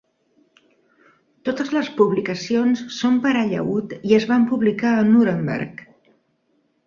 Totes les publicacions són per a llaüt i es van publicar a Nuremberg.